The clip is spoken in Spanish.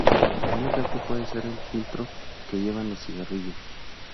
Un ejemplo puede ser el filtro que llevan los cigarrillos.